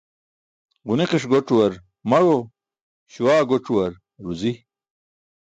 Ġuniqi̇ṣ goc̣uwar maẏo, śuwa goc̣uwar ruzi